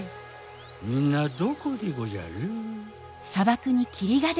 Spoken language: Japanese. みんなどこでごじゃる？